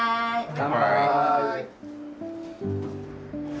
乾杯！